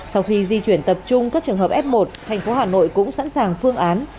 sau khi di chuyển tập trung các trường hợp f một thành phố hà nội cũng sẵn sàng phương án